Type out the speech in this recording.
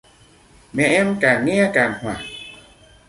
Mẹ em càng nghe càng hoảng